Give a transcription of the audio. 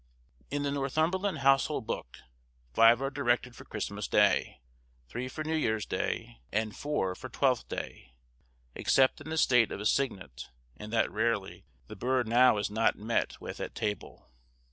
In the Northumberland Household Book, five are directed for Christmas Day, three for New Year's Day, and four for Twelfth Day. Except in the state of a cygnet, and that rarely, the bird now is not met with at table.